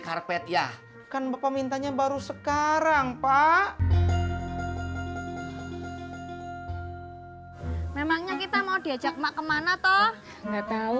karpet ya kan bapak mintanya baru sekarang pak memangnya kita mau diajak mak kemana toh nggak tahu